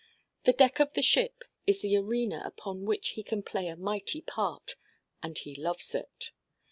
The deck of the ship is the arena upon which he can play a mighty part, and he loves it.